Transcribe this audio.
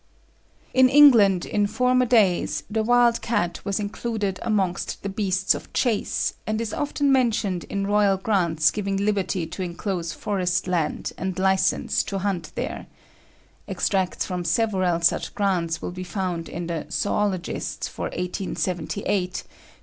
"In England in former days, the wild cat was included amongst the beasts of chase, and is often mentioned in royal grants giving liberty to inclose forest land and licence to hunt there (extracts from several such grants will be found in the Zoologist for 1878, p.